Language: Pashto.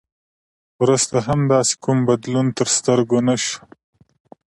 وروسته هم داسې کوم بدلون تر سترګو نه شو.